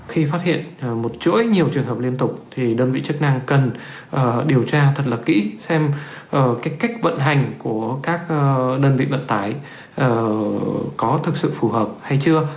khi phát hiện một chuỗi nhiều trường hợp liên tục thì đơn vị chức năng cần điều tra thật là kỹ xem cách vận hành của các đơn vị vận tải có thực sự phù hợp hay chưa